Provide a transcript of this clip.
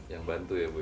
yang bantu ya bu ya